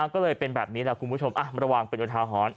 ก็เลยเป็นแบบนี้คุณผู้ชมระวังเป็นยนต์ท้าหอน